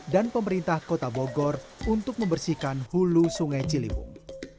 dan pemerintah kota bogor untuk membersihkan hulu sungai ciliwung